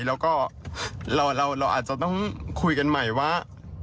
แล้วก็เราอาจจะต้องคุยกันใหม่ว่า